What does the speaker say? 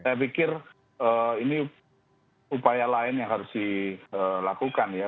saya pikir ini upaya lain yang harus dilakukan ya